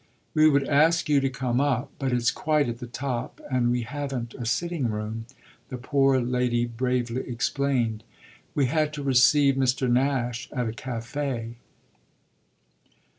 "We would ask you to come up, but it's quite at the top and we haven't a sitting room," the poor lady bravely explained. "We had to receive Mr. Nash at a café."